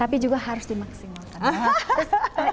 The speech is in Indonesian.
tapi juga harus dimaksimalkan